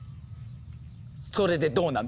それでどうなの？